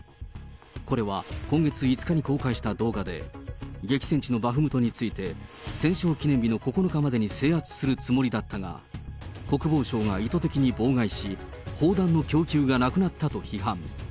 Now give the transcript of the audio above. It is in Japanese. これは今月５日に公開した動画で、激戦地のバフムトについて、戦勝記念日の９日までに制圧するつもりだったが、国防省が意図的に妨害し、砲弾の供給がなくなったと批判。